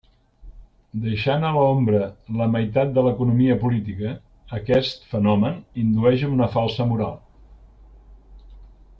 Deixant a l'ombra la meitat de l'economia política, aquest fenomen indueix a una falsa moral.